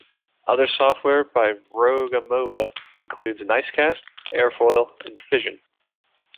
Other software by Rogue Amoeba includes Nicecast, Airfoil, and Fission.